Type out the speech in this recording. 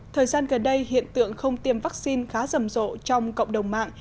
thời gian gần đây hiện tượng không tiêm vaccine khá rầm rộ trong cộng đồng mạng